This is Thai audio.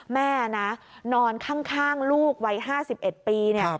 แม่นอนข้างลูกวัย๕๑ปี